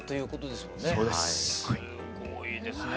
すごいですね。